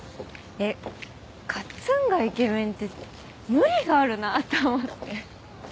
えっカッツンがイケメンって無理があるなと思って。